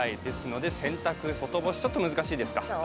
洗濯、外干しちょっと難しいですか？